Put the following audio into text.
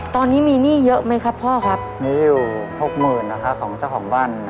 ตอนนี้มีหนี้เยอะไหมครับพ่อครับหนี้อยู่หกหมื่นนะครับของเจ้าของบ้าน